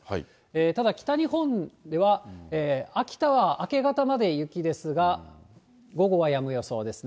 ただ、北日本では秋田は明け方まで雪ですが、午後はやむ予想ですね。